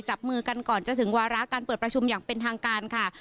จับมือกันก่อนจะถึงวาระการเปิดประชุมอย่างเป็นทางการค่ะ